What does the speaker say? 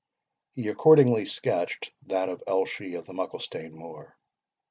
He, accordingly, sketched that of Elshie of the Mucklestane Moor.